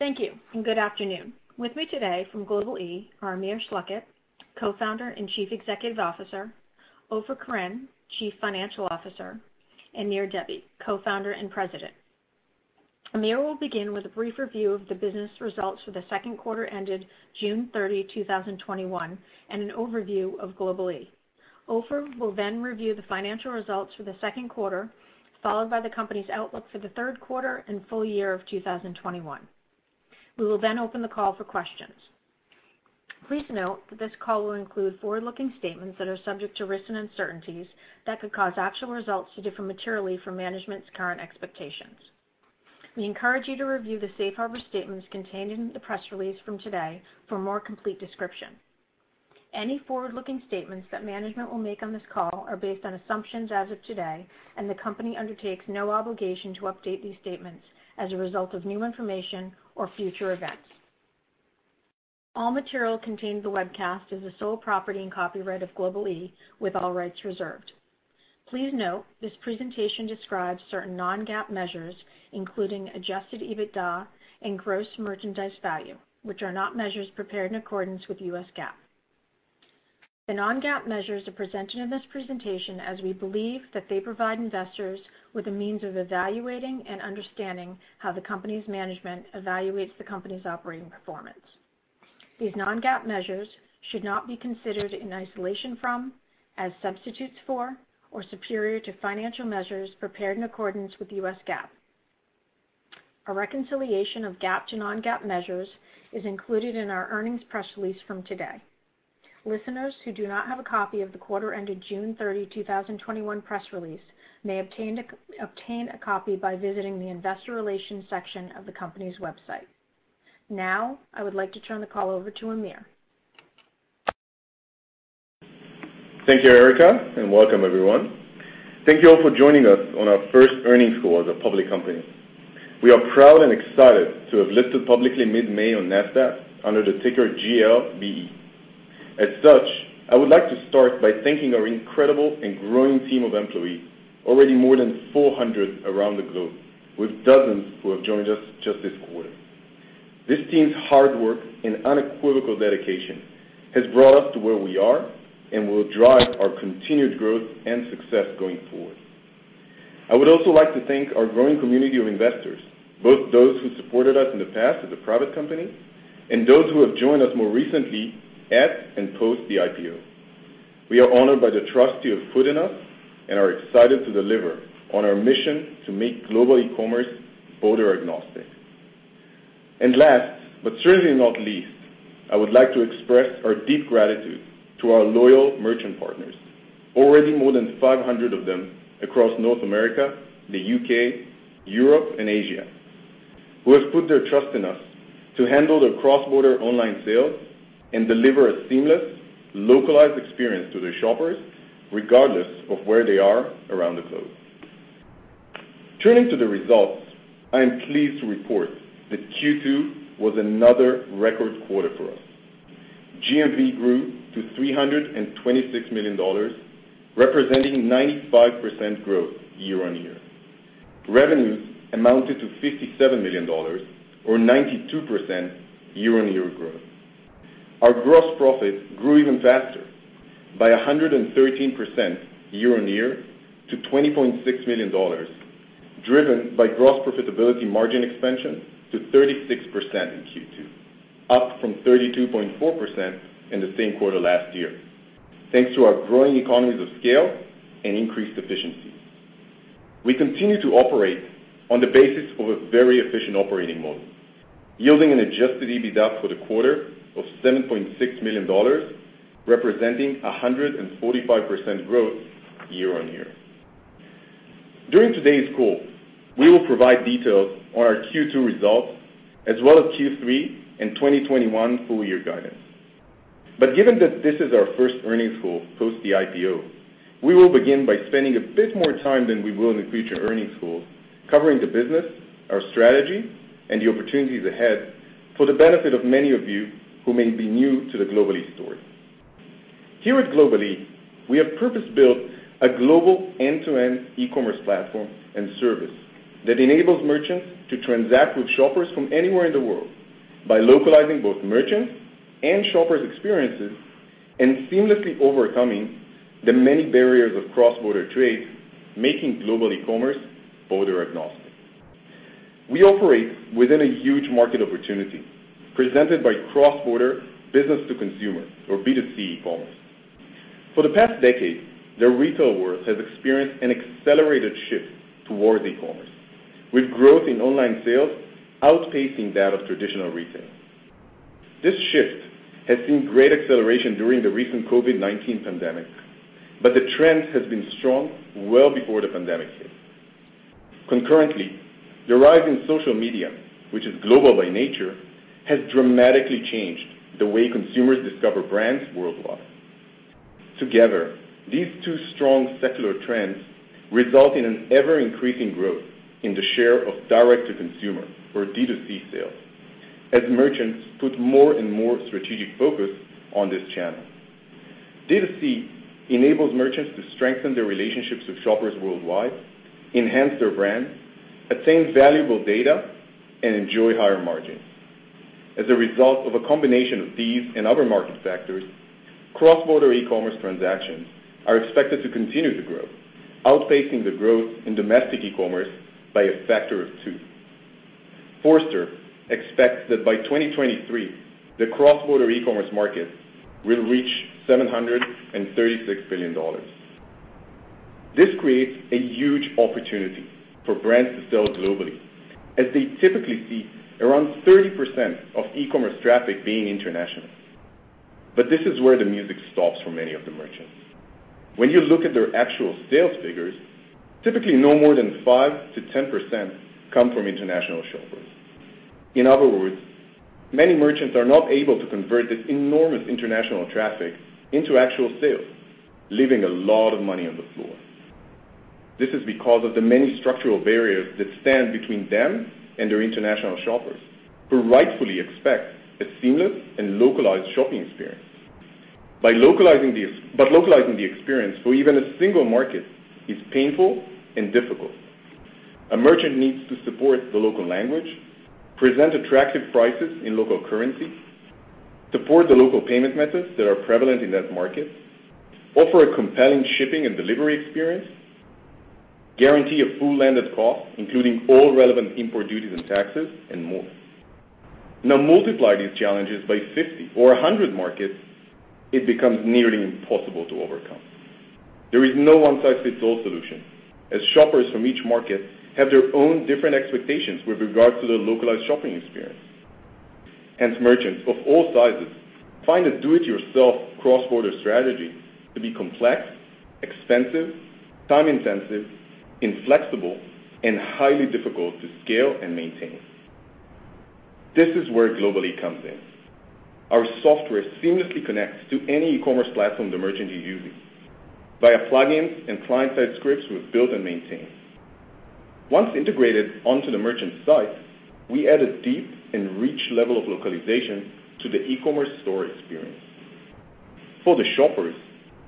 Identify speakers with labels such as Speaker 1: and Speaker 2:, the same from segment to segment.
Speaker 1: Thank you, and good afternoon. With me today from Global-e are Amir Schlachet, Co-founder and Chief Executive Officer, Ofer Koren, Chief Financial Officer, and Nir Debbi, Co-founder and President. Amir will begin with a brief review of the business results for the second quarter ended June 30, 2021, and an overview of Global-e. Ofer will review the financial results for the second quarter, followed by the company's outlook for the third quarter and full year of 2021. We will open the call for questions. Please note that this call will include forward-looking statements that are subject to risks and uncertainties that could cause actual results to differ materially from management's current expectations. We encourage you to review the safe harbor statements contained in the press release from today for a more complete description. Any forward-looking statements that management will make on this call are based on assumptions as of today, and the company undertakes no obligation to update these statements as a result of new information or future events. All material contained in the webcast is the sole property and copyright of Global-e, with all rights reserved. Please note, this presentation describes certain non-GAAP measures, including Adjusted EBITDA and gross merchandise value, which are not measures prepared in accordance with US GAAP. The non-GAAP measures are presented in this presentation as we believe that they provide investors with a means of evaluating and understanding how the company's management evaluates the company's operating performance. These non-GAAP measures should not be considered in isolation from, as substitutes for, or superior to financial measures prepared in accordance with U.S. GAAP. A reconciliation of GAAP to non-GAAP measures is included in our earnings press release from today. Listeners who do not have a copy of the quarter ended June 30, 2021, press release may obtain a copy by visiting the investor relations section of the company's website. Now, I would like to turn the call over to Amir.
Speaker 2: Thank you, Erica. Welcome everyone. Thank you all for joining us on our first earnings call as a public company. We are proud and excited to have listed publicly mid-May on Nasdaq under the ticker GLBE. As such, I would like to start by thanking our incredible and growing team of employees, already more than 400 around the globe, with dozens who have joined us just this quarter. This team's hard work and unequivocal dedication has brought us to where we are and will drive our continued growth and success going forward. I would also like to thank our growing community of investors, both those who supported us in the past as a private company, and those who have joined us more recently at and post the IPO. We are honored by the trust you have put in us and are excited to deliver on our mission to make global e-commerce border-agnostic. Last, but certainly not least, I would like to express our deep gratitude to our loyal merchant partners. Already more than 500 of them across North America, the U.K., Europe, and Asia, who have put their trust in us to handle their cross-border online sales and deliver a seamless, localized experience to their shoppers, regardless of where they are around the globe. Turning to the results, I am pleased to report that Q2 was another record quarter for us. GMV grew to $326 million, representing 95% growth year-on-year. Revenues amounted to $57 million, or 92% year-on-year growth. Our gross profit grew even faster, by 113% year-on-year to $20.6 million, driven by gross profitability margin expansion to 36% in Q2. Up from 32.4% in the same quarter last year, thanks to our growing economies of scale and increased efficiencies. We continue to operate on the basis of a very efficient operating model, yielding an Adjusted EBITDA for the quarter of $7.6 million, representing 145% growth year-on-year. During today's call, we will provide details on our Q2 results as well as Q3 and 2021 full-year guidance. Given that this is our first earnings call post the IPO, we will begin by spending a bit more time than we will in the future earnings calls, covering the business, our strategy, and the opportunities ahead for the benefit of many of you who may be new to the Global-e story. Here at Global-e, we have purpose-built a global end-to-end e-commerce platform and service that enables merchants to transact with shoppers from anywhere in the world by localizing both merchants' and shoppers' experiences and seamlessly overcoming the many barriers of cross-border trade, making global e-commerce border-agnostic. We operate within a huge market opportunity presented by cross-border business-to-consumer, or B2C e-commerce. For the past decade, the retail world has experienced an accelerated shift towards e-commerce, with growth in online sales outpacing that of traditional retail. This shift has seen great acceleration during the recent COVID-19 pandemic, but the trend has been strong well before the pandemic hit. Concurrently, the rise in social media, which is global by nature, has dramatically changed the way consumers discover brands worldwide. Together, these two strong secular trends result in an ever-increasing growth in the share of direct-to-consumer, or D2C, sales, as merchants put more and more strategic focus on this channel. D2C enables merchants to strengthen their relationships with shoppers worldwide, enhance their brand, attain valuable data, and enjoy higher margins. As a result of a combination of these and other market factors, cross-border e-commerce transactions are expected to continue to grow, outpacing the growth in domestic e-commerce by a factor of two. Forrester expects that by 2023, the cross-border e-commerce market will reach $736 billion. This creates a huge opportunity for brands to sell globally, as they typically see around 30% of e-commerce traffic being international. This is where the music stops for many of the merchants. When you look at their actual sales figures, typically no more than 5%-10% come from international shoppers. In other words, many merchants are not able to convert this enormous international traffic into actual sales, leaving a lot of money on the floor. This is because of the many structural barriers that stand between them and their international shoppers, who rightfully expect a seamless and localized shopping experience. Localizing the experience for even a single market is painful and difficult. A merchant needs to support the local language, present attractive prices in local currency, support the local payment methods that are prevalent in that market, offer a compelling shipping and delivery experience, guarantee a full landed cost, including all relevant import duties and taxes, and more. Multiply these challenges by 50 or 100 markets, it becomes nearly impossible to overcome. There is no one-size-fits-all solution, as shoppers from each market have their own different expectations with regard to their localized shopping experience. Merchants of all sizes find a do-it-yourself cross-border strategy to be complex, expensive, time-intensive, inflexible, and highly difficult to scale and maintain. This is where Global-e comes in. Our software seamlessly connects to any e-commerce platform the merchant is using via plugins and client-side scripts we've built and maintained. Once integrated onto the merchant site, we add a deep and rich level of localization to the e-commerce store experience. For the shoppers,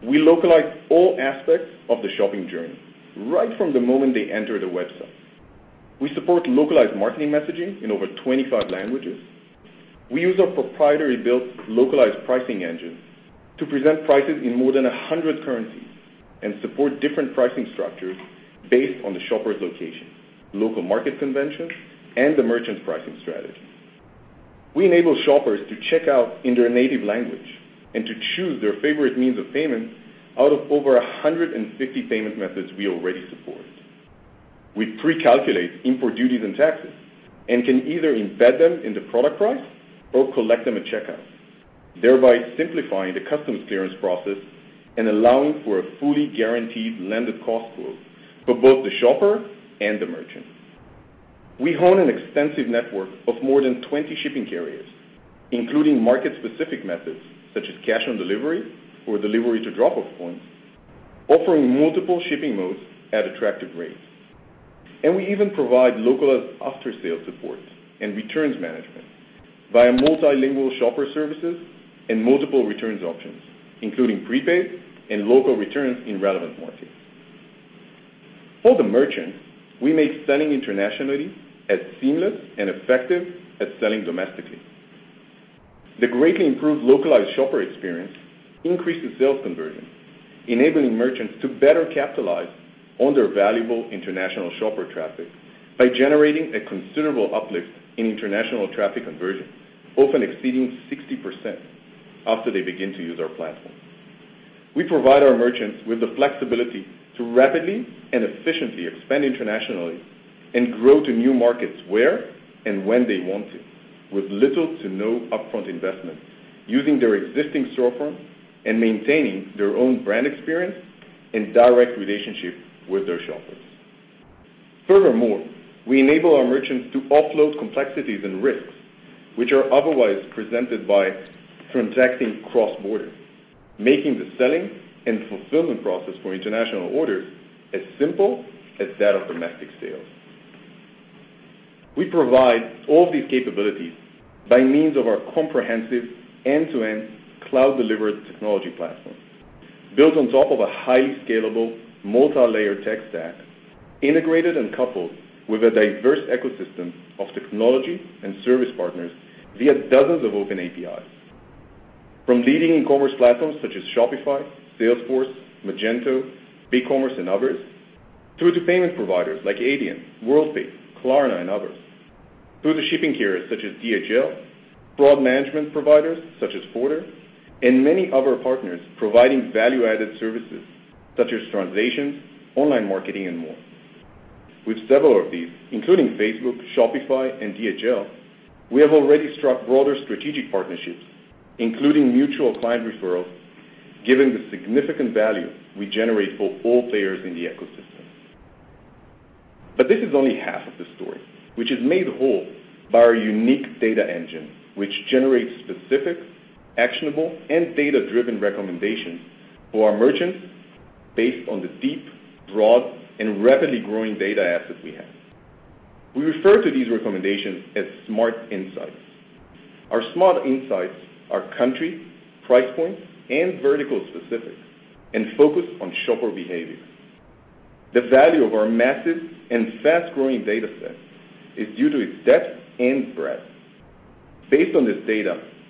Speaker 2: we localize all aspects of the shopping journey right from the moment they enter the website. We support localized marketing messaging in over 25 languages. We use our proprietary-built localized pricing engine to present prices in more than 100 currencies and support different pricing structures based on the shopper's location, local market conventions, and the merchant's pricing strategy. We enable shoppers to check out in their native language and to choose their favorite means of payment out of over 150 payment methods we already support. We pre-calculate import duties and taxes and can either embed them in the product price or collect them at checkout, thereby simplifying the customs clearance process and allowing for a fully guaranteed landed cost quote for both the shopper and the merchant. We own an extensive network of more than 20 shipping carriers, including market-specific methods such as cash on delivery or delivery to drop-off points, offering multiple shipping modes at attractive rates. We even provide localized after-sale support and returns management via multilingual shopper services and multiple returns options, including prepaid and local returns in relevant markets. For the merchants, we make selling internationally as seamless and effective as selling domestically. The greatly improved localized shopper experience increases sales conversion, enabling merchants to better capitalize on their valuable international shopper traffic by generating a considerable uplift in international traffic conversion, often exceeding 60% after they begin to use our platform. We provide our merchants with the flexibility to rapidly and efficiently expand internationally and grow to new markets where and when they want to with little to no upfront investment, using their existing storefront and maintaining their own brand experience and direct relationship with their shoppers. Furthermore, we enable our merchants to offload complexities and risks which are otherwise presented by transacting cross-border, making the selling and fulfillment process for international orders as simple as that of domestic sales. We provide all of these capabilities by means of our comprehensive end-to-end cloud-delivered technology platform, built on top of a highly scalable multilayer tech stack, integrated and coupled with a diverse ecosystem of technology and service partners via dozens of open APIs. From leading e-commerce platforms such as Shopify, Salesforce, Magento, BigCommerce and others, through to payment providers like Adyen, Worldpay, Klarna and others, through to shipping carriers such as DHL, fraud management providers such as Forter, and many other partners providing value-added services such as translations, online marketing, and more. With several of these, including Facebook, Shopify, and DHL, we have already struck broader strategic partnerships, including mutual client referrals, given the significant value we generate for all players in the ecosystem. This is only half of the story, which is made whole by our unique data engine, which generates specific, actionable, and data-driven recommendations for our merchants based on the deep, broad and rapidly growing data assets we have. We refer to these recommendations as Smart Insights. Our Smart Insights are country, price point, and vertical specific, and focus on shopper behavior. The value of our massive and fast-growing data set is due to its depth and breadth. Based on this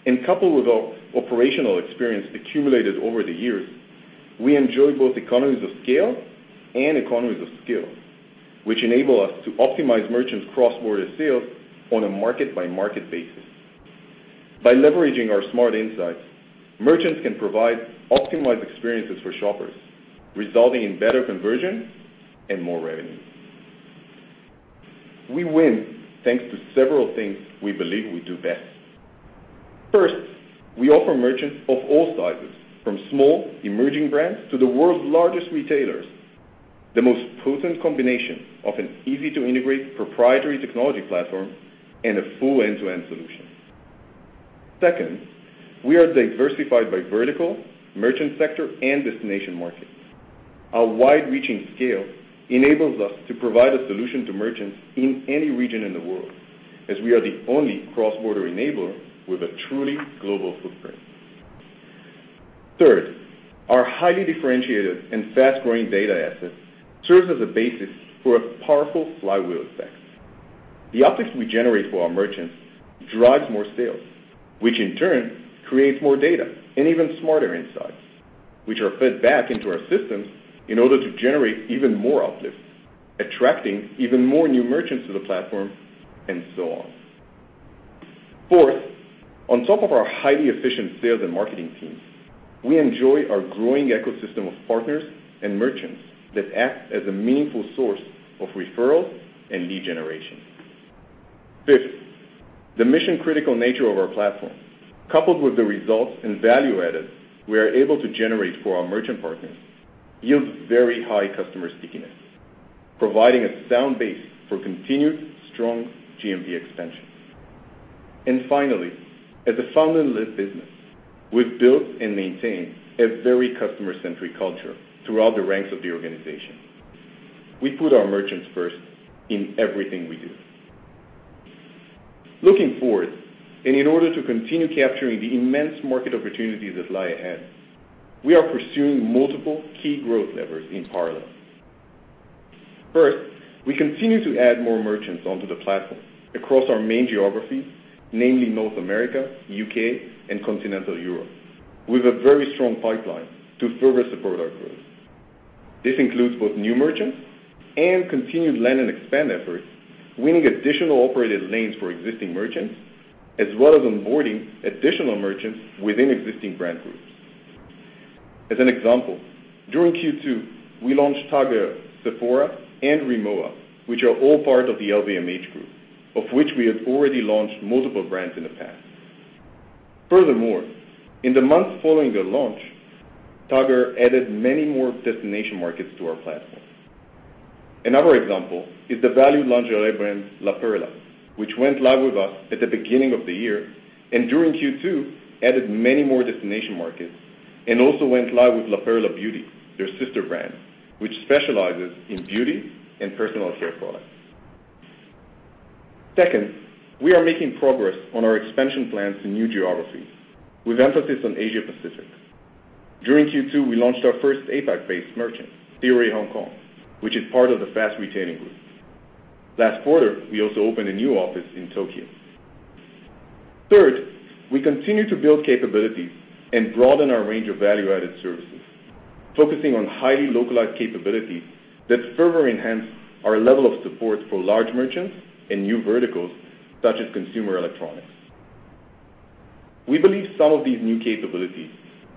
Speaker 2: data, and coupled with our operational experience accumulated over the years, we enjoy both economies of scale and economies of skill, which enable us to optimize merchants' cross-border sales on a market-by-market basis. By leveraging our Smart Insights, merchants can provide optimized experiences for shoppers, resulting in better conversion and more revenue. We win thanks to several things we believe we do best. First, we offer merchants of all sizes, from small, emerging brands to the world's largest retailers, the most potent combination of an easy-to-integrate proprietary technology platform and a full end-to-end solution. Second, we are diversified by vertical, merchant sector, and destination market. Our wide-reaching scale enables us to provide a solution to merchants in any region in the world, as we are the only cross-border enabler with a truly global footprint. Third, our highly differentiated and fast-growing data asset serves as a basis for a powerful flywheel effect. The uplift we generate for our merchants drives more sales, which in turn creates more data and even smarter insights, which are fed back into our systems in order to generate even more uplift, attracting even more new merchants to the platform, and so on. Fourth, on top of our highly efficient sales and marketing teams, we enjoy our growing ecosystem of partners and merchants that act as a meaningful source of referrals and lead generation. Fifth, the mission-critical nature of our platform, coupled with the results and value added we are able to generate for our merchant partners, yields very high customer stickiness, providing a sound base for continued strong GMV expansion. Finally, as a founder-led business, we've built and maintained a very customer-centric culture throughout the ranks of the organization. We put our merchants first in everything we do. Looking forward, and in order to continue capturing the immense market opportunities that lie ahead, we are pursuing multiple key growth levers in parallel. We continue to add more merchants onto the platform across our main geographies, namely North America, U.K., and Continental Europe, with a very strong pipeline to further support our growth. This includes both new merchants and continued land and expand efforts, winning additional operated lanes for existing merchants as well as onboarding additional merchants within existing brand groups. As an example, during Q2, we launched TAG Heuer, Sephora, and Rimowa, which are all part of the LVMH group, of which we have already launched multiple brands in the past. In the months following their launch, TAG Heuer added many more destination markets to our platform. Another example is the value lingerie brand La Perla, which went live with us at the beginning of the year, and during Q2, added many more destination markets and also went live with La Perla Beauty, their sister brand, which specializes in beauty and personal care products. Second, we are making progress on our expansion plans in new geographies, with emphasis on Asia-Pacific. During Q2, we launched our first APAC-based merchant, Theory Hong Kong, which is part of the Fast Retailing group. Last quarter, we also opened a new office in Tokyo. Third, we continue to build capabilities and broaden our range of value-added services, focusing on highly localized capabilities that further enhance our level of support for large merchants and new verticals, such as consumer electronics. We believe some of these new capabilities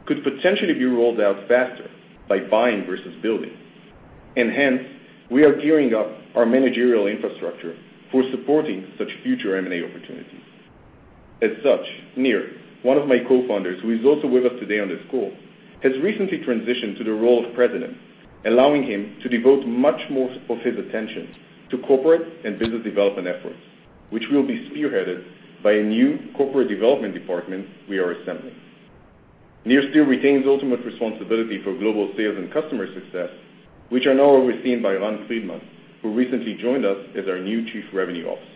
Speaker 2: could potentially be rolled out faster by buying versus building. Hence, we are gearing up our managerial infrastructure for supporting such future M&A opportunities. As such, Nir, one of my co-founders, who is also with us today on this call, has recently transitioned to the role of President, allowing him to devote much more of his attention to corporate and business development efforts, which will be spearheaded by a new corporate development department we are assembling. Nir still retains ultimate responsibility for global sales and customer success, which are now overseen by Ran Fridman, who recently joined us as our new Chief Revenue Officer.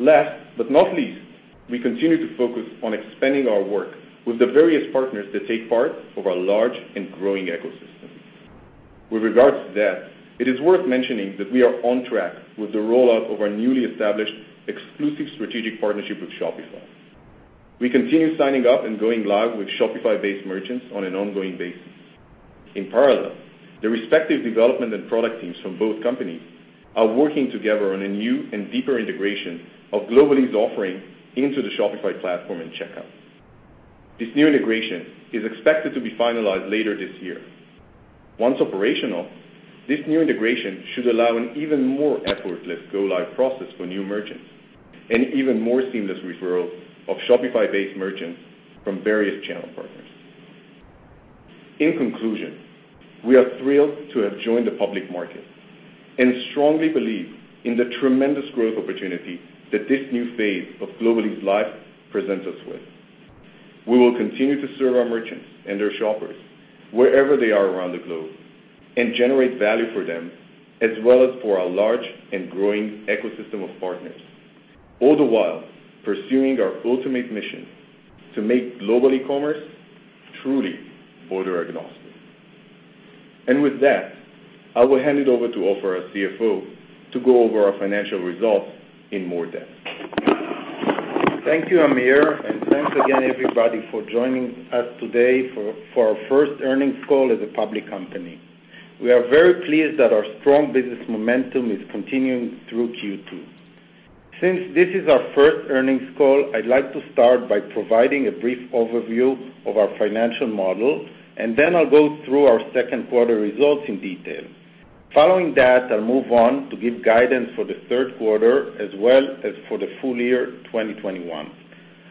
Speaker 2: Last but not least, we continue to focus on expanding our work with the various partners that take part of our large and growing ecosystem. With regards to that, it is worth mentioning that we are on track with the rollout of our newly established exclusive strategic partnership with Shopify. We continue signing up and going live with Shopify-based merchants on an ongoing basis. In parallel, the respective development and product teams from both companies are working together on a new and deeper integration of Global-e's offering into the Shopify platform and checkout. This new integration is expected to be finalized later this year. Once operational, this new integration should allow an even more effortless go-live process for new merchants and even more seamless referral of Shopify-based merchants from various channel partners. In conclusion, we are thrilled to have joined the public market and strongly believe in the tremendous growth opportunity that this new phase of Global-e's life presents us with. We will continue to serve our merchants and their shoppers wherever they are around the globe and generate value for them, as well as for our large and growing ecosystem of partners, all the while pursuing our ultimate mission to make global e-commerce truly border-agnostic. With that, I will hand it over to Ofer, our CFO, to go over our financial results in more depth.
Speaker 3: Thank you, Amir. Thanks again everybody for joining us today for our first earnings call as a public company. We are very pleased that our strong business momentum is continuing through Q2. Since this is our first earnings call, I'd like to start by providing a brief overview of our financial model, and then I'll go through our second quarter results in detail. Following that, I'll move on to give guidance for the third quarter as well as for the full year 2021.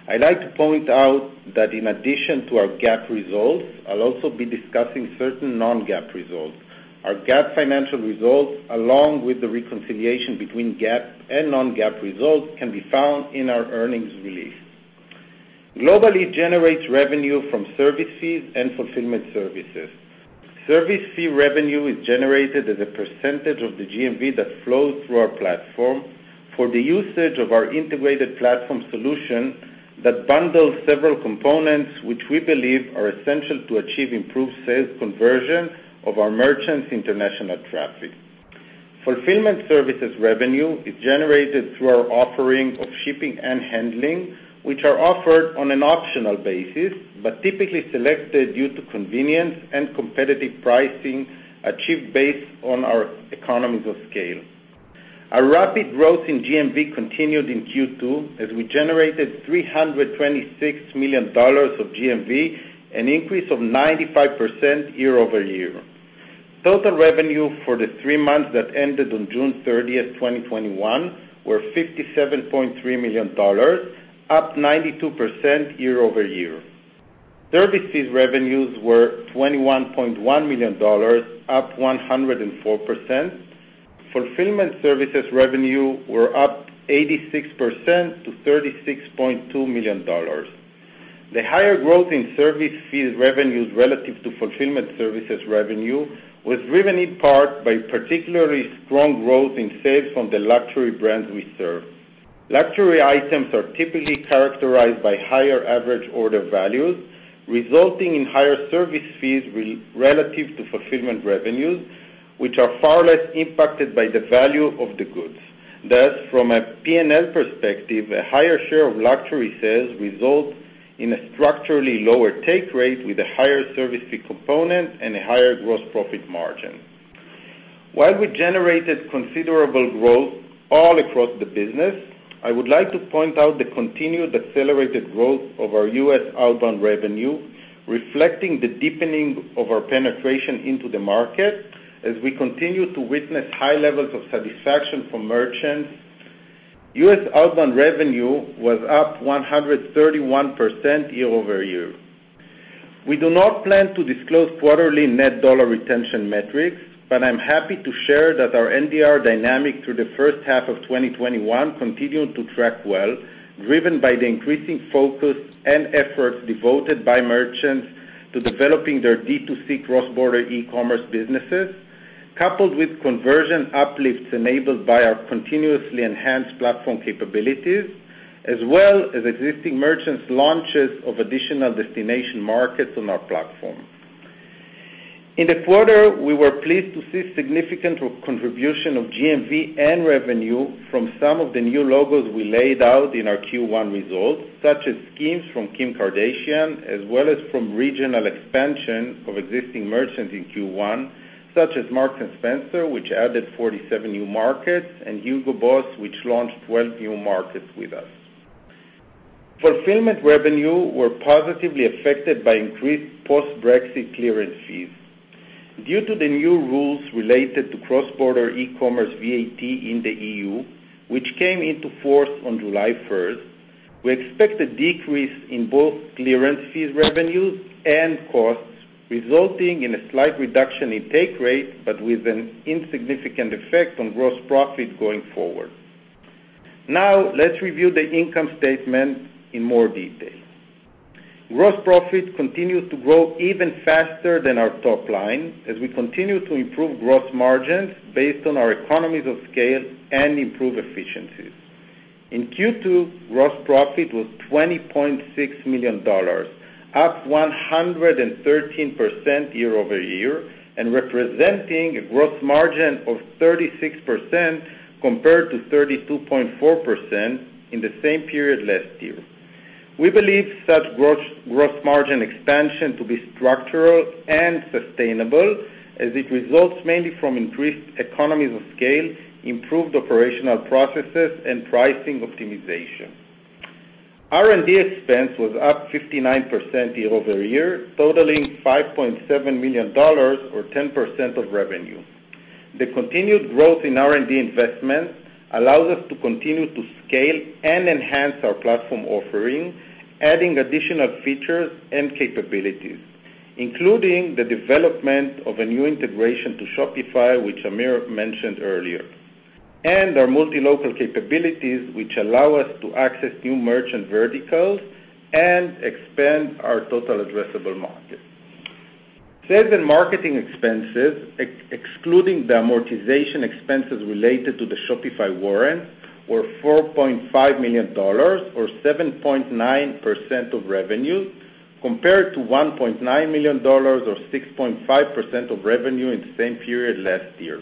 Speaker 3: I like to point out that in addition to our GAAP results, I'll also be discussing certain non-GAAP results. Our GAAP financial results, along with the reconciliation between GAAP and non-GAAP results, can be found in our earnings release. Global-e generates revenue from service fees and fulfillment services. Service fee revenue is generated as a percentage of the GMV that flows through our platform for the usage of our integrated platform solution that bundles several components which we believe are essential to achieve improved sales conversion of our merchants' international traffic. Fulfillment services revenue is generated through our offering of shipping and handling, which are offered on an optional basis, but typically selected due to convenience and competitive pricing achieved based on our economies of scale. Our rapid growth in GMV continued in Q2 as we generated $326 million of GMV, an increase of 95% year-over-year. Total revenue for the three months that ended on June 30th, 2021, were $57.3 million, up 92% year-over-year. Service fee revenue were $21.1 million, up 104%. Fulfillment services revenue were up 86% to $36.2 million. The higher growth in service fees revenues relative to fulfillment services revenue was driven in part by particularly strong growth in sales from the luxury brands we serve. Luxury items are typically characterized by higher average order values, resulting in higher service fees relative to fulfillment revenues, which are far less impacted by the value of the goods. Thus, from a P&L perspective, a higher share of luxury sales results in a structurally lower take rate with a higher service fee component and a higher gross profit margin. While we generated considerable growth all across the business, I would like to point out the continued accelerated growth of our U.S. outbound revenue, reflecting the deepening of our penetration into the market, as we continue to witness high levels of satisfaction from merchants. U.S. outbound revenue was up 131% year-over-year. We do not plan to disclose quarterly net dollar retention metrics, but I'm happy to share that our NDR dynamic through the first half of 2021 continued to track well, driven by the increasing focus and efforts devoted by merchants to developing their D2C cross-border e-commerce businesses, coupled with conversion uplifts enabled by our continuously enhanced platform capabilities, as well as existing merchants' launches of additional destination markets on our platform. In the quarter, we were pleased to see significant contribution of GMV and revenue from some of the new logos we laid out in our Q1 results, such as SKIMS from Kim Kardashian, as well as from regional expansion of existing merchants in Q1, such as Marks & Spencer, which added 47 new markets, and Hugo Boss, which launched 12 new markets with us. Fulfillment revenue were positively affected by increased post-Brexit clearance fees. Due to the new rules related to cross-border e-commerce VAT in the EU, which came into force on July 1st, we expect a decrease in both clearance fees revenues and costs, resulting in a slight reduction in take rate, but with an insignificant effect on gross profit going forward. Let's review the income statement in more detail. Gross profit continued to grow even faster than our top line as we continue to improve gross margins based on our economies of scale and improve efficiencies. In Q2, gross profit was $20.6 million, up 113% year-over-year and representing a gross margin of 36% compared to 32.4% in the same period last year. We believe such gross margin expansion to be structural and sustainable as it results mainly from increased economies of scale, improved operational processes, and pricing optimization. R&D expense was up 59% year-over-year, totaling $5.7 million or 10% of revenue. The continued growth in R&D investment allows us to continue to scale and enhance our platform offering, adding additional features and capabilities, including the development of a new integration to Shopify, which Amir mentioned earlier. Our multi-local capabilities, which allow us to access new merchant verticals and expand our total addressable market. Sales and marketing expenses, excluding the amortization expenses related to the Shopify warrant, were $4.5 million or 7.9% of revenue, compared to $1.9 million or 6.5% of revenue in the same period last year.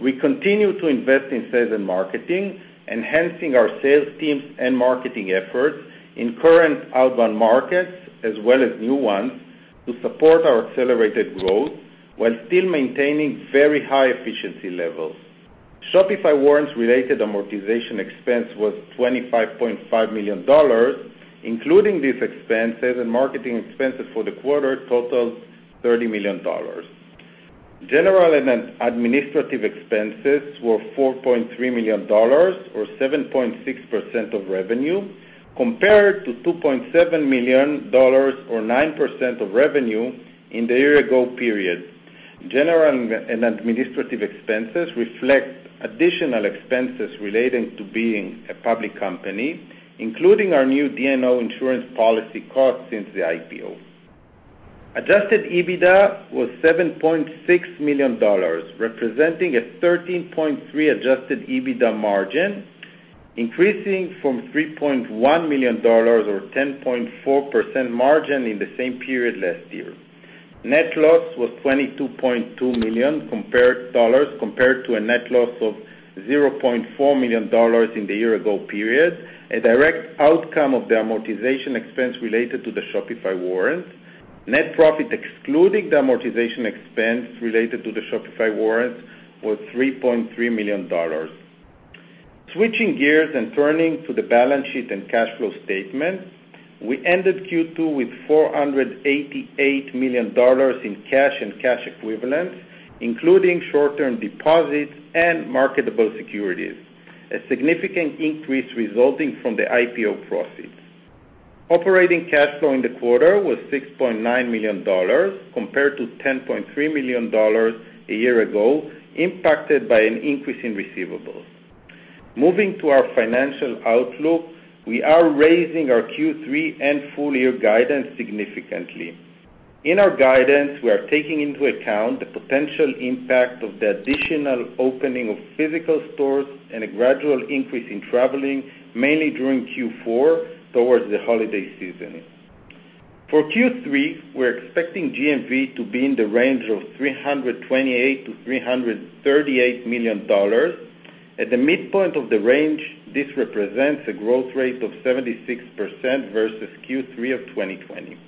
Speaker 3: We continue to invest in sales and marketing, enhancing our sales teams and marketing efforts in current outbound markets as well as new ones to support our accelerated growth while still maintaining very high efficiency levels. Shopify warrants-related amortization expense was $25.5 million, including these expenses and marketing expenses for the quarter totaled $30 million. General and administrative expenses were $4.3 million or 7.6% of revenue compared to $2.7 million or 9% of revenue in the year ago period. General and administrative expenses reflect additional expenses relating to being a public company, including our new D&O insurance policy cost since the IPO. Adjusted EBITDA was $7.6 million, representing a 13.3% Adjusted EBITDA margin, increasing from $3.1 million or 10.4% margin in the same period last year. Net loss was $22.2 million compared to a net loss of $0.4 million in the year ago period, a direct outcome of the amortization expense related to the Shopify warrant. Net profit excluding the amortization expense related to the Shopify warrant was $3.3 million. Switching gears and turning to the balance sheet and cash flow statement, we ended Q2 with $488 million in cash and cash equivalents, including short-term deposits and marketable securities, a significant increase resulting from the IPO proceeds. Operating cash flow in the quarter was $6.9 million compared to $10.3 million a year ago, impacted by an increase in receivables. Moving to our financial outlook, we are raising our Q3 and full year guidance significantly. In our guidance, we are taking into account the potential impact of the additional opening of physical stores and a gradual increase in traveling, mainly during Q4 towards the holiday season. For Q3, we are expecting GMV to be in the range of $328 million-$338 million. At the midpoint of the range, this represents a growth rate of 76% versus Q3 of 2020.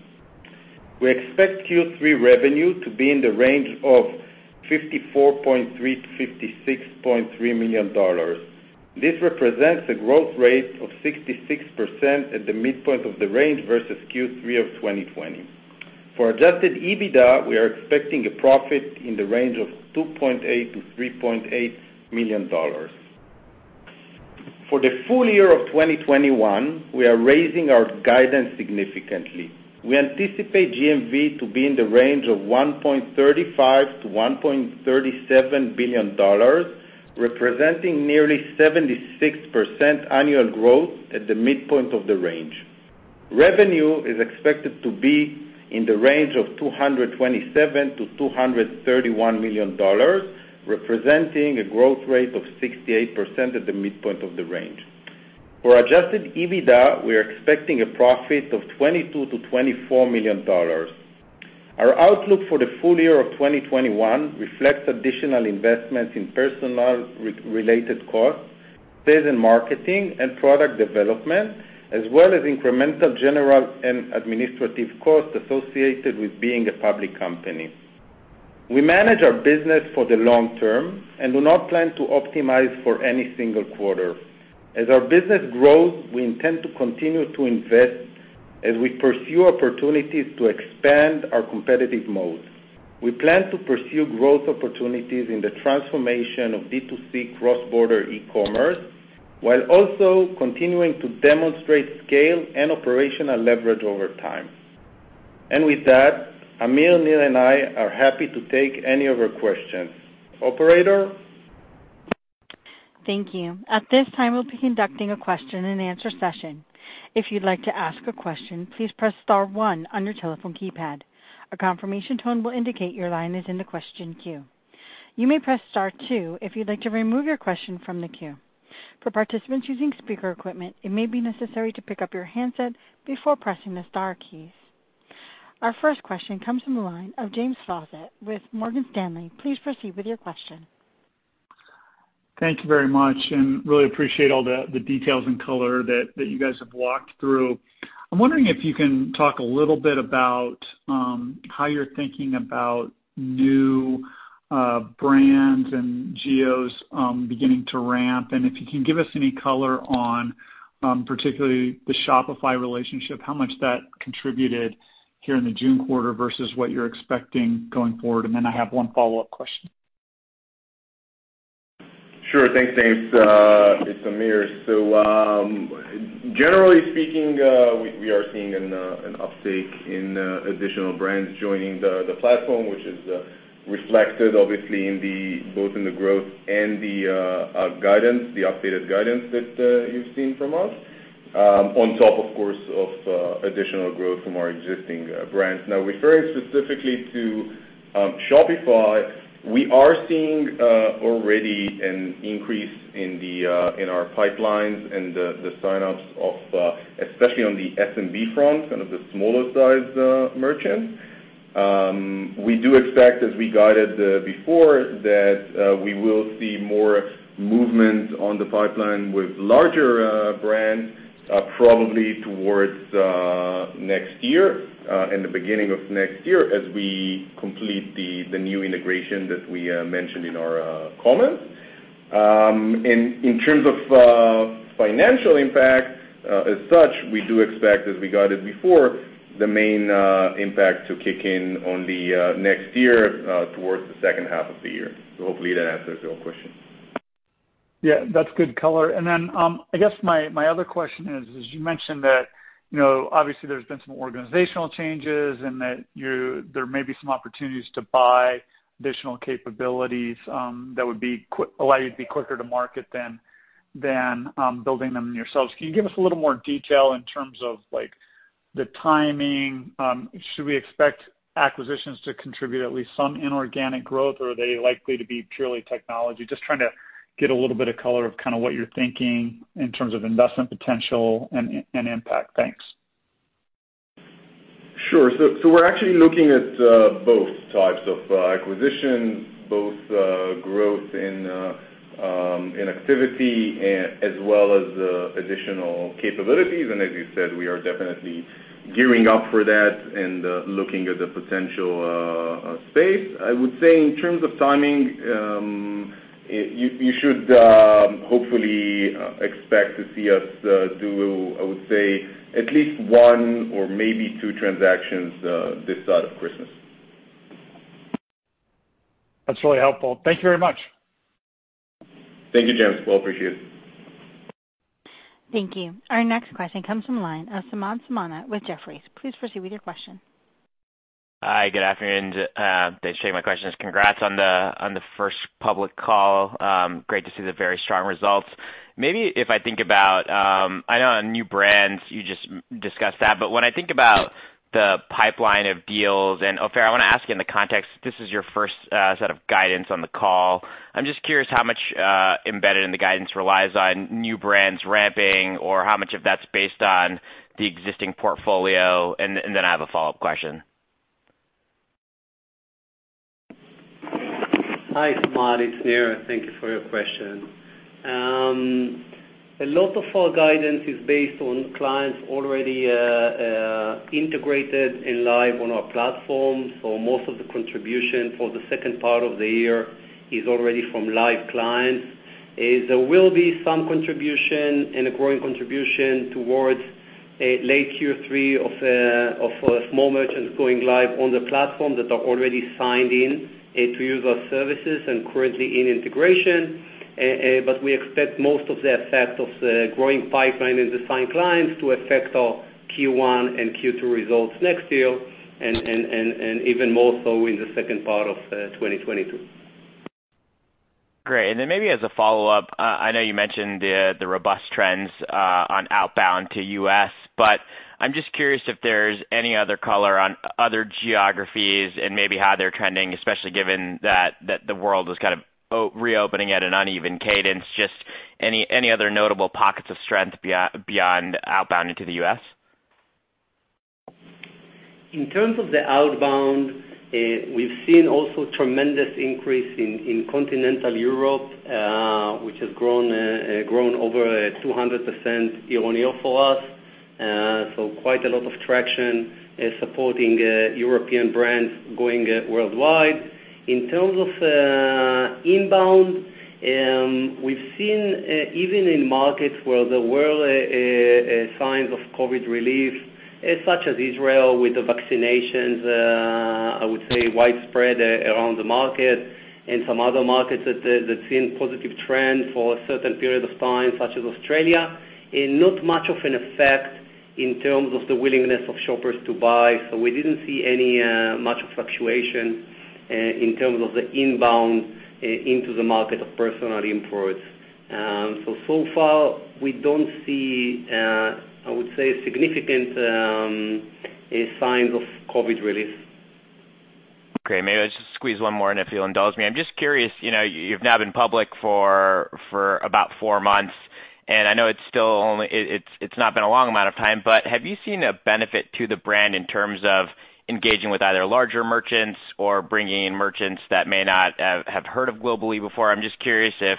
Speaker 3: We expect Q3 revenue to be in the range of $54.3 million-$56.3 million. This represents a growth rate of 66% at the midpoint of the range versus Q3 of 2020. For Adjusted EBITDA, we are expecting a profit in the range of $2.8 million-$3.8 million. For the full year of 2021, we are raising our guidance significantly. We anticipate GMV to be in the range of $1.35 billion-$1.37 billion, representing nearly 76% annual growth at the midpoint of the range. Revenue is expected to be in the range of $227 million-$231 million, representing a growth rate of 68% at the midpoint of the range. For Adjusted EBITDA, we are expecting a profit of $22 million-$24 million. Our outlook for the full year of 2021 reflects additional investments in personnel-related costs, sales and marketing, and product development, as well as incremental general and administrative costs associated with being a public company. We manage our business for the long term and do not plan to optimize for any single quarter. As our business grows, we intend to continue to invest as we pursue opportunities to expand our competitive moats. We plan to pursue growth opportunities in the transformation of D2C cross-border e-commerce, while also continuing to demonstrate scale and operational leverage over time. With that, Amir, Nir, and I are happy to take any of your questions. Operator?
Speaker 4: Thank you. At this time, we'll be conducting a question and answer session. If you'd like to ask a question, please press star one on your telephone keypad. A confirmation tone will indicate your line is in the question queue. You may press star two if you'd like to remove your question from the queue. For participants using speaker equipment, it may be necessary to pick up your handset before pressing the star keys. Our first question comes from the line of James Faucette with Morgan Stanley. Please proceed with your question.
Speaker 5: Thank you very much, and really appreciate all the details and color that you guys have walked through. I'm wondering if you can talk a little bit about how you're thinking about new brands and geos beginning to ramp, and if you can give us any color on particularly the Shopify relationship, how much that contributed here in the June quarter versus what you're expecting going forward. Then I have one follow-up question.
Speaker 2: Sure. Thanks, James. It's Amir. Generally speaking, we are seeing an uptake in additional brands joining the platform, which is reflected obviously both in the growth and the updated guidance that you've seen from us. On top, of course, of additional growth from our existing brands. Referring specifically to Shopify, we are seeing already an increase in our pipelines and the sign-ups, especially on the SMB front, the smaller size merchant. We do expect, as we guided before, that we will see more movement on the pipeline with larger brands probably towards next year, in the beginning of next year, as we complete the new integration that we mentioned in our comments. In terms of financial impact, as such, we do expect, as we guided before, the main impact to kick in on the next year towards the second half of the year. Hopefully that answers your question.
Speaker 5: Yeah, that's good color. I guess my other question is, as you mentioned that obviously there's been some organizational changes and that there may be some opportunities to buy additional capabilities that would allow you to be quicker to market than building them yourselves. Can you give us a little more detail in terms of the timing? Should we expect acquisitions to contribute at least some inorganic growth or are they likely to be purely technology? Just trying to get a little bit of color of what you're thinking in terms of investment potential and impact. Thanks.
Speaker 2: Sure. We're actually looking at both types of acquisitions, both growth in activity as well as additional capabilities. As you said, we are definitely gearing up for that and looking at the potential space. I would say in terms of timing, you should hopefully expect to see us do, I would say, at least one or maybe two transactions this side of Christmas.
Speaker 5: That's really helpful. Thank you very much.
Speaker 2: Thank you, James. Well appreciated.
Speaker 4: Thank you. Our next question comes from the line of Samad Samana with Jefferies. Please proceed with your question.
Speaker 6: Hi, good afternoon. Thanks for taking my questions. Congrats on the first public call. Great to see the very strong results. Maybe if I think about, I know on new brands, you just discussed that, but when I think about the pipeline of deals and, Ofer, I want to ask you in the context, this is your first set of guidance on the call. I'm just curious how much embedded in the guidance relies on new brands ramping or how much of that's based on the existing portfolio? I have a follow-up question.
Speaker 7: Hi, Samad. It's Nir. Thank you for your question. A lot of our guidance is based on clients already integrated and live on our platform. Most of the contribution for the second part of the year is already from live clients. There will be some contribution and a growing contribution towards late Q3 of small merchants going live on the platform that are already signed in to use our services and currently in integration. We expect most of the effect of the growing pipeline and the signed clients to affect our Q1 and Q2 results next year, and even more so in the second part of 2022.
Speaker 6: Great. Maybe as a follow-up, I know you mentioned the robust trends on outbound to U.S., I'm just curious if there's any other color on other geographies and maybe how they're trending, especially given that the world is kind of reopening at an uneven cadence. Just any other notable pockets of strength beyond outbound into the U.S.?
Speaker 7: In terms of the outbound, we've seen also tremendous increase in Continental Europe, which has grown over 200% year-on-year for us. Quite a lot of traction supporting European brands going worldwide. In terms of inbound, we've seen even in markets where there were signs of COVID relief, such as Israel with the vaccinations, I would say widespread around the market and some other markets that seen positive trend for a certain period of time, such as Australia, not much of an effect in terms of the willingness of shoppers to buy. We didn't see much fluctuation in terms of the inbound into the market of personal imports. So far we don't see, I would say, significant signs of COVID relief.
Speaker 6: Great. Maybe I'll just squeeze one more in if you'll indulge me. I'm just curious, you've now been public for about four months, and I know it's not been a long amount of time, but have you seen a benefit to the brand in terms of engaging with either larger merchants or bringing in merchants that may not have heard of Global-e before? I'm just curious if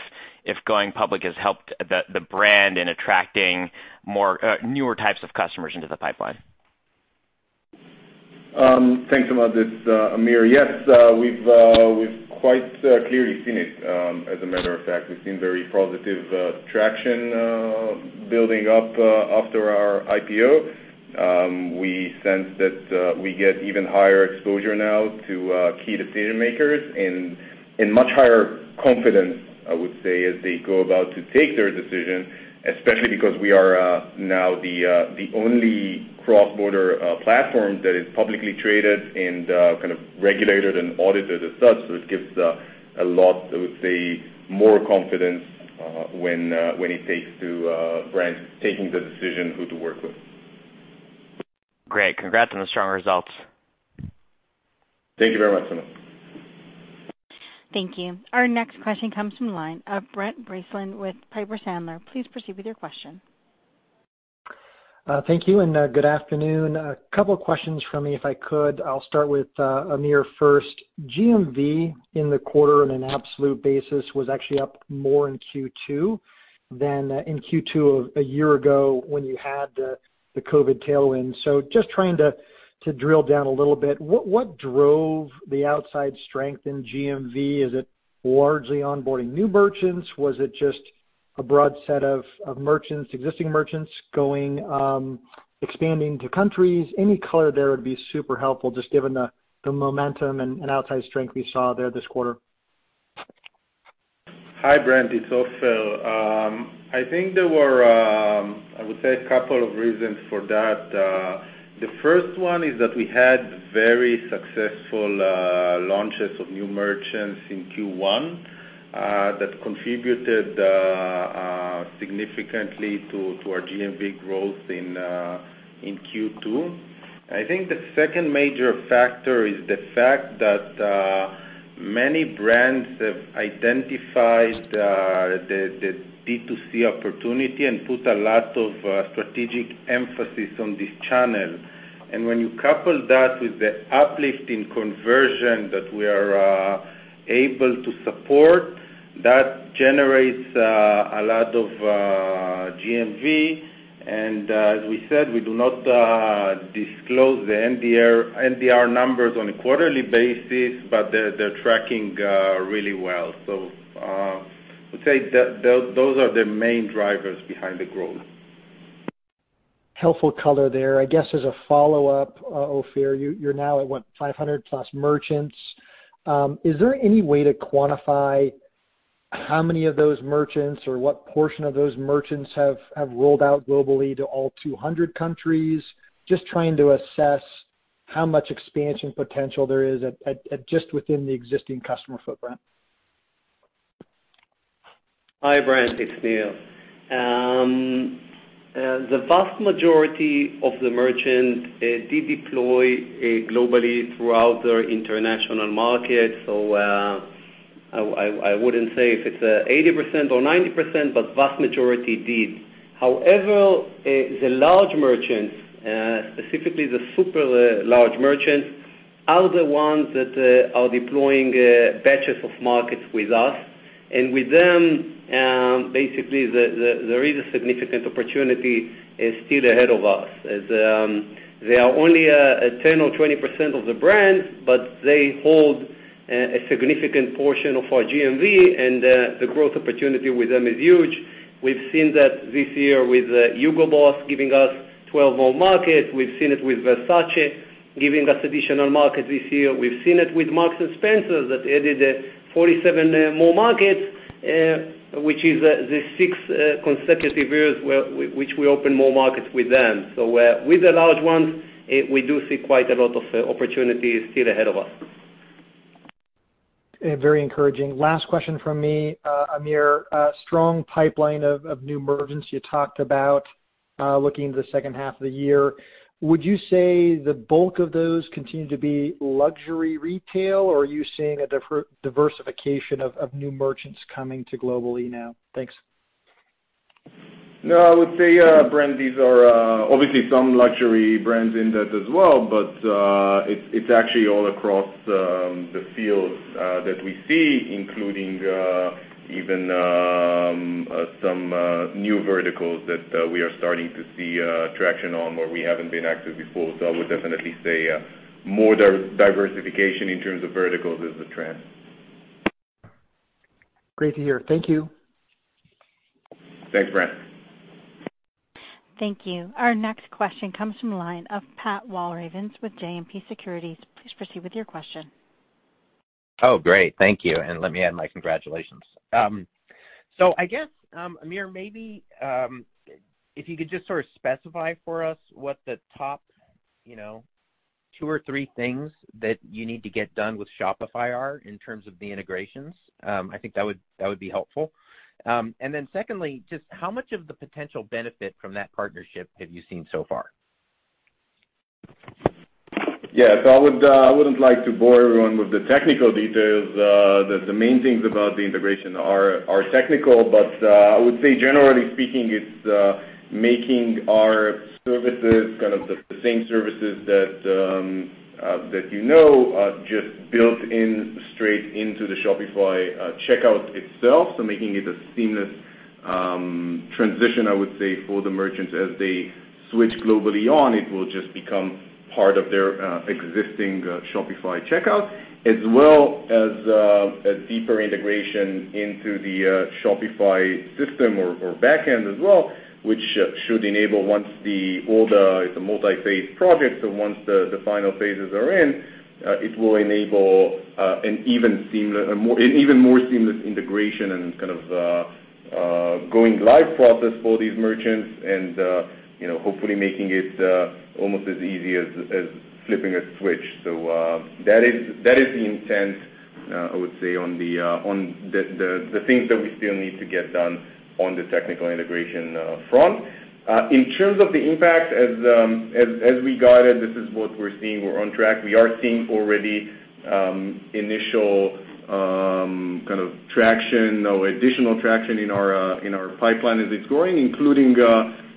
Speaker 6: going public has helped the brand in attracting newer types of customers into the pipeline.
Speaker 2: Thanks, Samad. It's Amir. Yes. We've quite clearly seen it, as a matter of fact. We've seen very positive traction building up after our IPO. We sense that we get even higher exposure now to key decision-makers and much higher confidence, I would say, as they go about to take their decision, especially because we are now the only cross-border platform that is publicly traded and regulated and audited as such. It gives a lot, I would say, more confidence when it takes to brands taking the decision who to work with.
Speaker 6: Great. Congrats on the strong results.
Speaker 2: Thank you very much, Samad.
Speaker 4: Thank you. Our next question comes from the line of Brent Bracelin with Piper Sandler. Please proceed with your question.
Speaker 8: Thank you, and good afternoon. A couple questions from me, if I could. I'll start with Amir first. GMV in the quarter on an absolute basis was actually up more in Q2 than in Q2 of a year ago when you had the COVID tailwinds. Just trying to drill down a little bit, what drove the outside strength in GMV? Is it largely onboarding new merchants? Was it just a broad set of existing merchants expanding to countries? Any color there would be super helpful, just given the momentum and outside strength we saw there this quarter.
Speaker 3: Hi, Brent. It's Ofer. I think there were, I would say, a couple of reasons for that. The first one is that we had very successful launches of new merchants in Q1 that contributed significantly to our GMV growth in Q2. I think the second major factor is the fact that many brands have identified the D2C opportunity and put a lot of strategic emphasis on this channel. When you couple that with the uplift in conversion that we are able to support, that generates a lot of GMV. As we said, we do not disclose the NDR numbers on a quarterly basis, but they're tracking really well. I would say those are the main drivers behind the growth.
Speaker 8: Helpful color there. I guess as a follow-up, Ofer, you're now at what? 500+ merchants. Is there any way to quantify how many of those merchants or what portion of those merchants have rolled out globally to all 200 countries? Just trying to assess how much expansion potential there is at just within the existing customer footprint?
Speaker 7: Hi, Brent. It's Nir. The vast majority of the merchants did deploy Global-e throughout their international market. I wouldn't say if it's 80% or 90%, but vast majority did. However, the large merchants, specifically the super large merchants, are the ones that are deploying batches of markets with us. With them, basically, there is a significant opportunity still ahead of us as they are only 10% or 20% of the brands, but they hold a significant portion of our GMV, and the growth opportunity with them is huge. We've seen that this year with Hugo Boss giving us 12 more markets. We've seen it with Versace giving us additional markets this year. We've seen it with Marks & Spencer that added 47 more markets, which is the 6th consecutive years which we open more markets with them. With the large ones, we do see quite a lot of opportunities still ahead of us.
Speaker 8: Very encouraging. Last question from me. Amir, strong pipeline of new merchants you talked about looking into the second half of the year. Would you say the bulk of those continue to be luxury retail, or are you seeing a diversification of new merchants coming to Global-e now? Thanks.
Speaker 2: I would say, Brent, these are obviously some luxury brands in that as well, but it's actually all across the fields that we see, including even some new verticals that we are starting to see traction on where we haven't been active before. I would definitely say more diversification in terms of verticals is the trend.
Speaker 8: Great to hear. Thank you.
Speaker 2: Thanks, Brent.
Speaker 4: Thank you. Our next question comes from the line of Pat Walravens with JMP Securities. Please proceed with your question.
Speaker 9: Oh, great. Thank you. Let me add my congratulations. I guess, Amir, maybe if you could just sort of specify for us what the top two or three things that you need to get done with Shopify are in terms of the integrations. I think that would be helpful. Secondly, just how much of the potential benefit from that partnership have you seen so far?
Speaker 2: Yeah. I wouldn't like to bore everyone with the technical details. The main things about the integration are technical, but I would say generally speaking, it's making our services, kind of the same services that you know, just built in straight into the Shopify checkout itself. Making it a seamless transition, I would say, for the merchants as they switch Global-e on. It will just become part of their existing Shopify checkout, as well as a deeper integration into the Shopify system or back end as well, which should enable. It's a multi-phase project. Once the final phases are in, it will enable an even more seamless integration and kind of going live process for these merchants and hopefully making it almost as easy as flipping a switch. That is the intent I would say on the things that we still need to get done on the technical integration front. In terms of the impact, as we guided, this is what we're seeing. We're on track. We are seeing already initial traction or additional traction in our pipeline as it's growing, including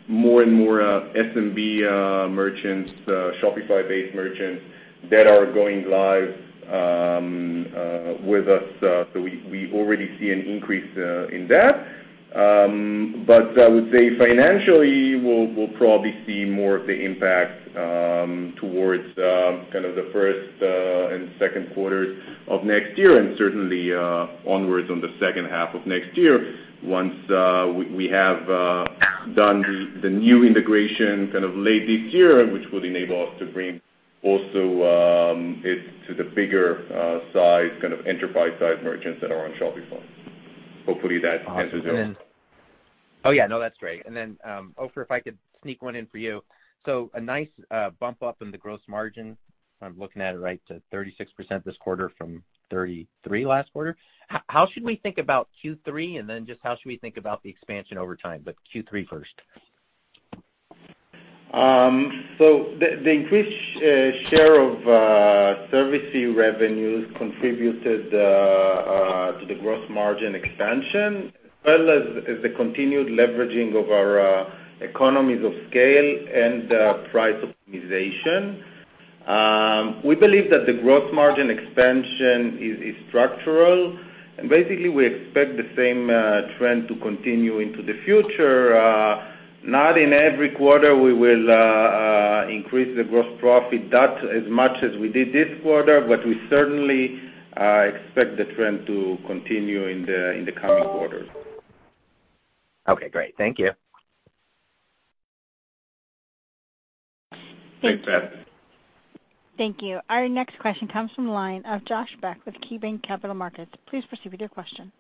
Speaker 2: more and more SMB merchants, Shopify-based merchants that are going live with us. We already see an increase in that. I would say financially, we'll probably see more of the impact towards the first and second quarters of next year, and certainly onwards on the second half of next year once we have done the new integration late this year, which would enable us to bring also it to the bigger size, enterprise size merchants that are on Shopify. Hopefully that answers your.
Speaker 9: Awesome. Oh, yeah. No, that's great. Ofer, if I could sneak one in for you. A nice bump up in the gross margin. I'm looking at it, right to 36% this quarter from 33% last quarter. How should we think about Q3, and then just how should we think about the expansion over time, but Q3 first?
Speaker 3: The increased share of service fee revenues contributed to the gross margin expansion, as well as the continued leveraging of our economies of scale and price optimization. We believe that the gross margin expansion is structural, and basically, we expect the same trend to continue into the future. Not in every quarter we will increase the gross profit that as much as we did this quarter, but we certainly expect the trend to continue in the coming quarters.
Speaker 9: Okay, great. Thank you.
Speaker 2: Thanks, Pat.
Speaker 4: Thank you. Our next question comes from the line of Josh Beck with KeyBanc Capital Markets. Please proceed with your question.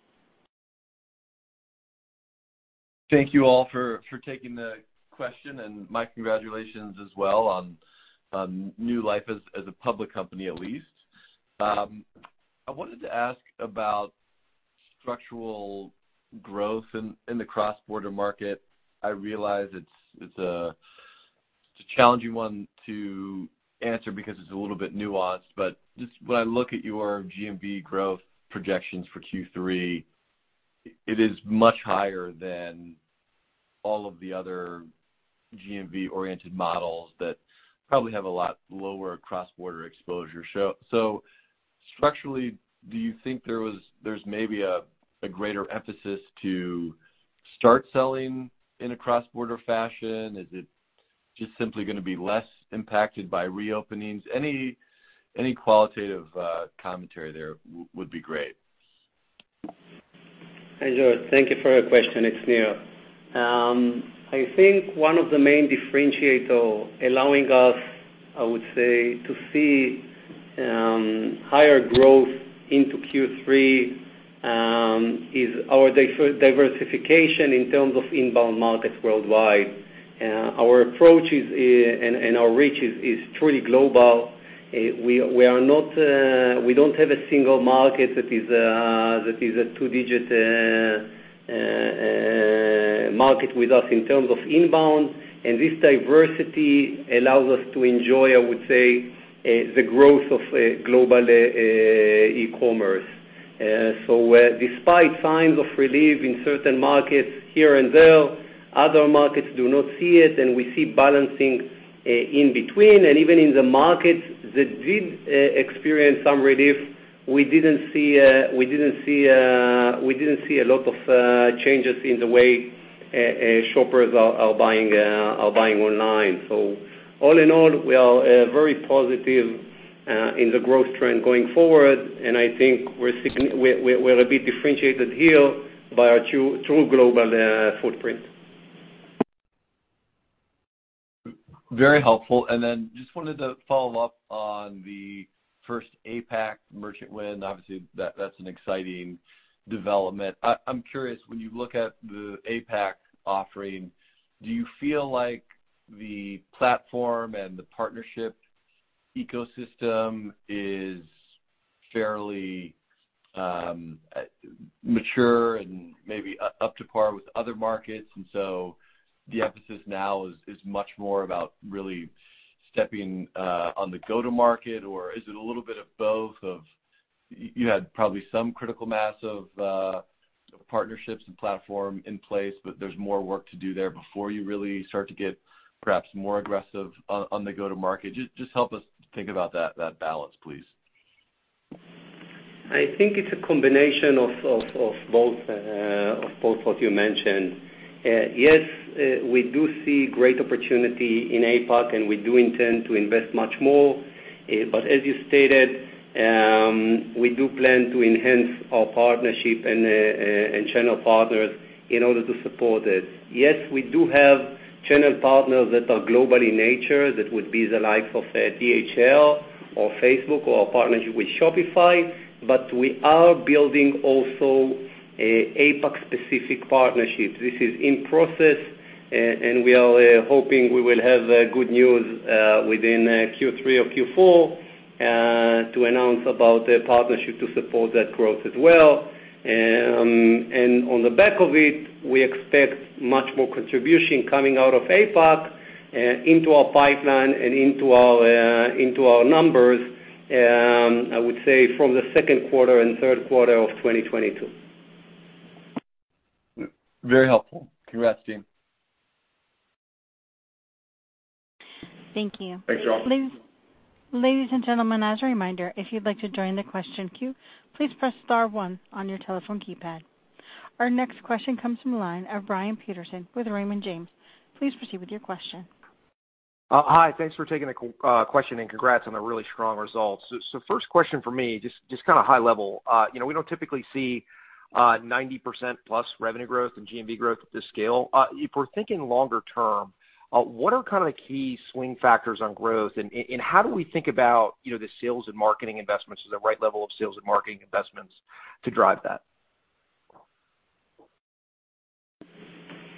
Speaker 10: Thank you all for taking the question. My congratulations as well on new life as a public company, at least. I wanted to ask about structural growth in the cross-border market. I realize it's a challenging one to answer because it's a little bit nuanced. Just when I look at your GMV growth projections for Q3, it is much higher than all of the other GMV-oriented models that probably have a lot lower cross-border exposure. Structurally, do you think there's maybe a greater emphasis to start selling in a cross-border fashion? Is it just simply going to be less impacted by reopenings? Any qualitative commentary there would be great.
Speaker 7: Hi, Josh. Thank you for your question. It's Nir. I think one of the main differentiator allowing us, I would say, to see higher growth into Q3, is our diversification in terms of inbound markets worldwide. Our approach and our reach is truly global. We don't have a single-market that is a two-digit market with us in terms of inbound, and this diversity allows us to enjoy, I would say, the growth of global e-commerce. Despite signs of relief in certain markets here and there, other markets do not see it, and we see balancing in between. Even in the markets that did experience some relief, we didn't see a lot of changes in the way shoppers are buying online. All in all, we are very positive in the growth trend going forward, and I think we're a bit differentiated here by our true global footprint.
Speaker 10: Very helpful. Then just wanted to follow up on the first APAC merchant win. Obviously, that's an exciting development. I'm curious, when you look at the APAC offering, do you feel like the platform and the partnership ecosystem is fairly mature and maybe up to par with other markets, and so the emphasis now is much more about really stepping on the go-to-market, or is it a little bit of both of, you had probably some critical mass of partnerships and platform in place, but there's more work to do there before you really start to get perhaps more aggressive on the go-to-market? Just help us think about that balance, please.
Speaker 7: I think it's a combination of both what you mentioned. Yes, we do see great opportunity in APAC, and we do intend to invest much more. As you stated, we do plan to enhance our partnership and channel partners in order to support it. Yes, we do have channel partners that are global in nature that would be the likes of DHL or Facebook or our partnership with Shopify, but we are building also APAC specific partnerships. This is in process, and we are hoping we will have good news within Q3 or Q4 to announce about the partnership to support that growth as well. On the back of it, we expect much more contribution coming out of APAC, into our pipeline and into our numbers, I would say from the second quarter and third quarter of 2022.
Speaker 10: Very helpful. Congrats, team.
Speaker 4: Thank you.
Speaker 2: Thanks, Josh.
Speaker 4: Our next question comes from the line of Brian Peterson with Raymond James.
Speaker 11: Hi. Thanks for taking the question, and congrats on the really strong results. First question for me, just high level. We don't typically see 90%+ revenue growth and GMV growth at this scale. If we're thinking longer term, what are the key swing factors on growth? How do we think about the sales and marketing investments as the right level of sales and marketing investments to drive that?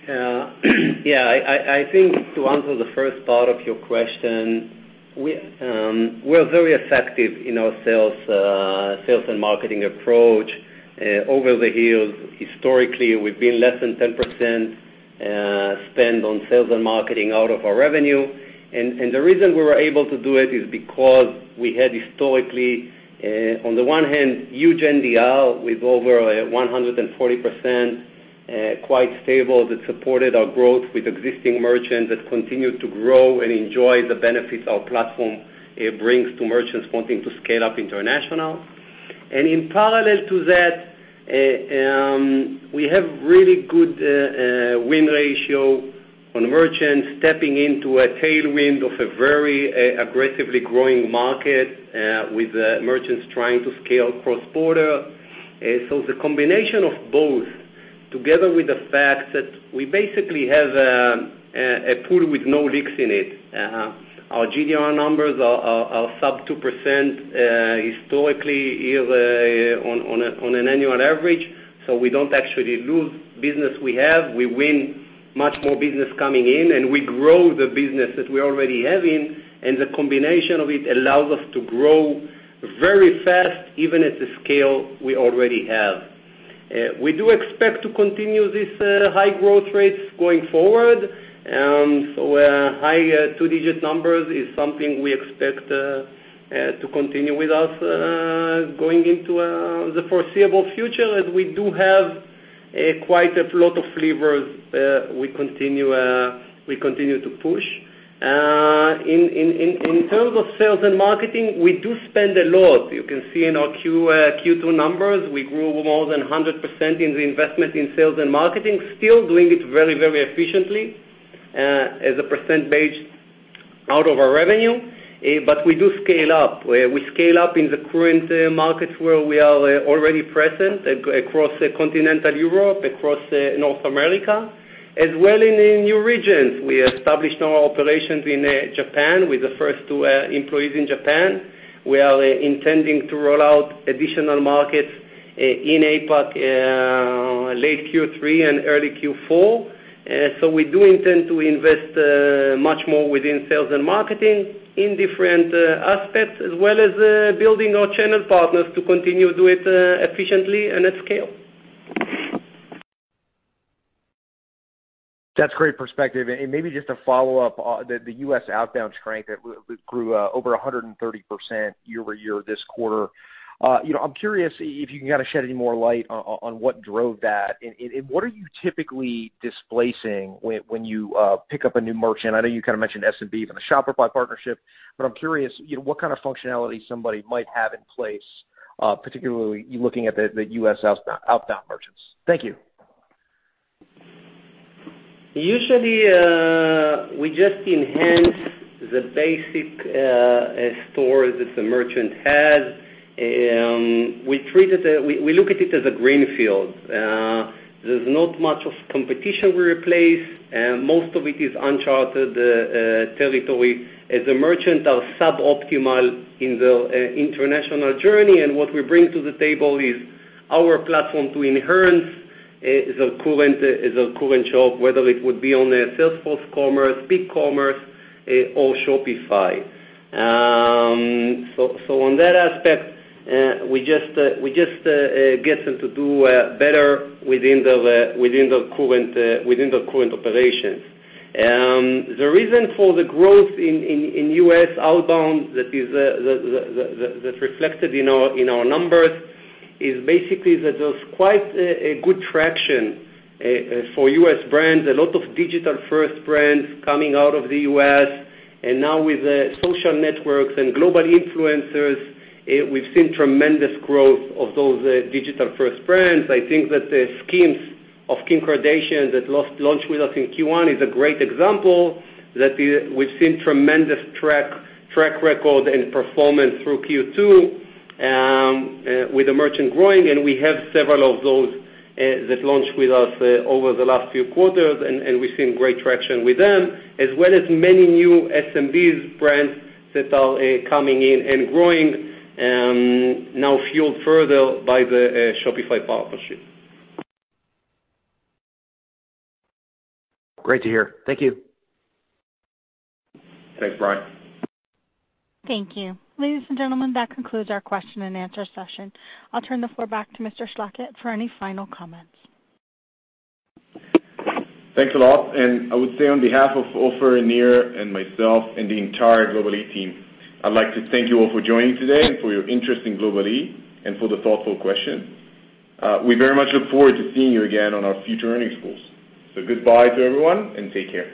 Speaker 7: Yeah. I think to answer the first part of your question, we're very effective in our sales and marketing approach. Over the years, historically, we've been less than 10% spend on sales and marketing out of our revenue. The reason we were able to do it is because we had historically, on the one hand, huge NDR with over 140%, quite stable that supported our growth with existing merchants that continued to grow and enjoy the benefits our platform brings to merchants wanting to scale up international. In parallel to that, we have really good win ratio on merchants stepping into a tailwind of a very aggressively growing market, with merchants trying to scale cross-border. The combination of both, together with the fact that we basically have a pool with no leaks in it. Our GDR numbers are sub 2%, historically year on an annual average. We don't actually lose business we have. We win much more business coming in, and we grow the business that we're already having. The combination of it allows us to grow very fast, even at the scale we already have. We do expect to continue this high growth rates going forward. High two-digit numbers is something we expect to continue with us, going into the foreseeable future, as we do have quite a lot of levers we continue to push. In terms of sales and marketing, we do spend a lot. You can see in our Q2 numbers, we grew more than 100% in the investment in sales and marketing, still doing it very efficiently, as a percent base out of our revenue. We do scale up, where we scale up in the current markets where we are already present across continental Europe, across North America, as well in the new regions. We established our operations in Japan with the first two employees in Japan. We are intending to roll out additional markets in APAC late Q3 and early Q4. We do intend to invest much more within sales and marketing in different aspects, as well as building our channel partners to continue do it efficiently and at scale.
Speaker 11: That's great perspective. Maybe just to follow up on the U.S. outbound strength that grew over 130% year-over-year this quarter. I'm curious if you can kind of shed any more light on what drove that, and what are you typically displacing when you pick up a new merchant? I know you mentioned SMB and the Shopify partnership, but I'm curious, what kind of functionality somebody might have in place, particularly looking at the U.S. outbound merchants. Thank you.
Speaker 7: Usually, we just enhance the basic store that the merchant has. We look at it as a greenfield. There's not much of competition we replace. Most of it is uncharted territory as the merchant are suboptimal in the international journey, and what we bring to the table is our platform to enhance the current shop, whether it would be on a Salesforce Commerce, BigCommerce or Shopify. On that aspect, we just get them to do better within the current operations. The reason for the growth in U.S. outbound that's reflected in our numbers is basically that there's quite a good traction for U.S. brands, a lot of digital-first brands coming out of the U.S. Now with social networks and global influencers, we've seen tremendous growth of those digital-first brands. I think that the SKIMS of Kim Kardashian that launched with us in Q1 is a great example that we've seen tremendous track record and performance through Q2, with the merchant growing, and we have several of those that launched with us over the last few quarters, and we've seen great traction with them, as well as many new SMBs brands that are coming in and growing, now fueled further by the Shopify partnership.
Speaker 11: Great to hear. Thank you.
Speaker 2: Thanks, Brian.
Speaker 4: Thank you. Ladies and gentlemen, that concludes our question and answer session. I'll turn the floor back to Mr. Schlachet for any final comments.
Speaker 2: Thanks a lot, and I would say on behalf of Ofer, Nir, and myself, and the entire Global-e team, I'd like to thank you all for joining today and for your interest in Global-e, and for the thoughtful questions. Goodbye to everyone, and take care.